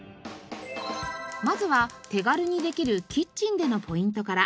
まずは手軽にできるキッチンでのポイントから。